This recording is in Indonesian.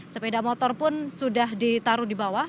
sepeda motor pun sudah ditaruh di bawah